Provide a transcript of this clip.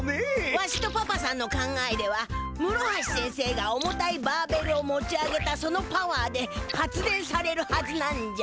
わしとパパさんの考えではむろはし先生が重たいバーベルを持ち上げたそのパワーで発電されるはずなんじゃ。